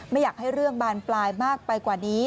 ไม่อยากให้เรื่องบานปลายมากไปกว่านี้